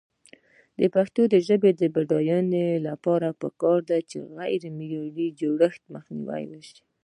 د پښتو ژبې د بډاینې لپاره پکار ده چې غیرمعیاري جوړښتونه مخنیوی شي.